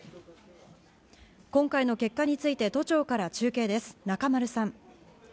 今回の結果について都庁から中継です、中丸さん。